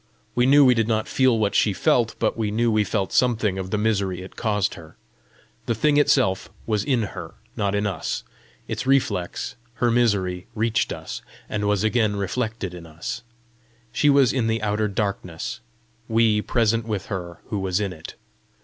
We knew we did not feel what she felt, but we knew we felt something of the misery it caused her. The thing itself was in her, not in us; its reflex, her misery, reached us, and was again reflected in us: she was in the outer darkness, we present with her who was in it!